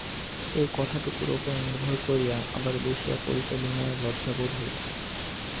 এই কথাটুকুর উপরে নির্ভর করিয়া আবার বসিয়া পড়িতে বিনয়ের লজ্জা বোধ হইল।